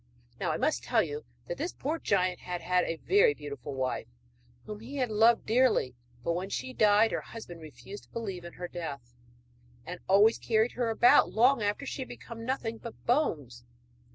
Now I must tell you that this poor giant had had a very beautiful wife, whom he had loved dearly; but, when she died, her husband refused to believe in her death, and always carried her about long after she had become nothing but bones.